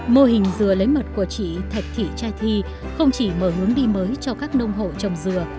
mô hình dừa lấy mật của chị thạch thị trai thi không chỉ mở hướng đi mới cho các nông hộ trồng dừa